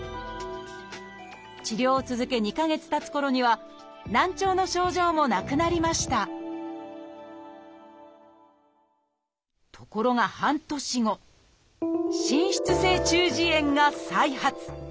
治療を続け２か月たつころには難聴の症状もなくなりましたところが半年後滲出性中耳炎が再発。